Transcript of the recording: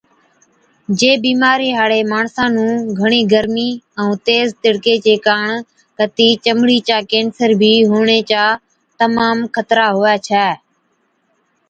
جي بِيمارِي هاڙي ماڻسا نُون گھڻِي گرمِي ائُون تيز تِڙڪي چي ڪاڻ ڪتِي چمڙِي چا ڪينسر بِي هُوَڻي چا تمام خطرا هُوَي ڇَي